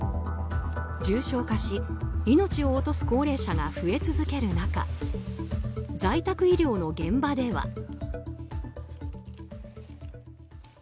重症化し命を落とす高齢者が増え続ける中在宅医療の現場では。